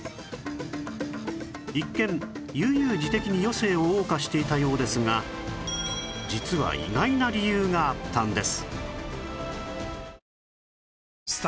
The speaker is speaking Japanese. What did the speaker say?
一見悠々自適に余生を謳歌していたようですが実は意外な理由があったんです